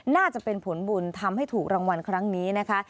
น่าจะเป็นผลบุญทำให้ถูกรางวัลครั้งนี้นะคะ